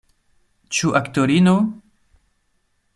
Ĉu aktorino?